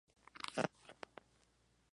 Es hijo de Luis Lescano, y Norma Gómez.